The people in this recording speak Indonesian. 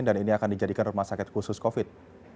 dan ini akan dijadikan rumah sakit khusus covid